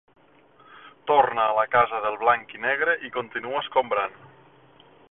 Torna a la Casa del Blanc i Negre i continua escombrant.